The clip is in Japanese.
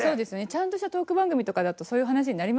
ちゃんとしたトーク番組とかだとそういう話になりますよね。